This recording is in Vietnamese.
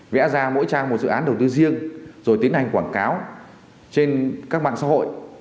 vẽ ra mỗi trang một dự án đầu tư riêng rồi tiến hành quảng cáo trên các mạng xã hội